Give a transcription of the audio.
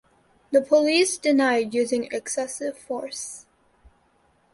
The police denied using excessive force.